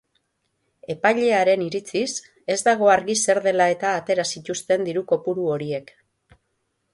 Epailearen iritziz, ez dago argi zer dela-eta atera zituzten diru-kopuru horiek.